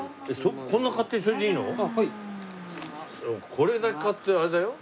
これだけ買ってあれだよ？